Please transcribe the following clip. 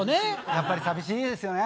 やっぱり寂しいですよね。